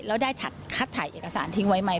แล้วได้คัดถ่ายเอกสารทิ้งไว้ไหม